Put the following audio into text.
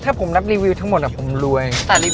ถ้าผมรับรีวิวทั้งหมดผมรวย